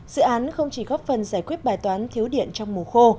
dự án không chỉ góp phần giải quyết bài toán thiếu điện trong mùa khô